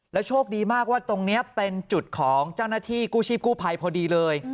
โชคดีมากว่าตรงนี้เป็นจุดของเจ้าหน้าที่กู้ชีพกู้ภัยพอดีเลย